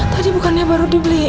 tadi bukannya baru dibeli